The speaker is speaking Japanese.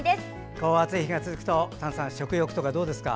こう暑い日が続くと丹さん、食欲はどうですか？